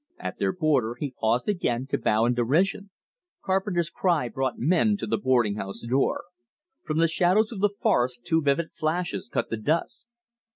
At their border he paused again to bow in derision. Carpenter's cry brought men to the boarding house door. From the shadows of the forest two vivid flashes cut the dusk.